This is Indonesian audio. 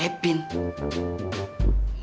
kevin kan masih ada di amerika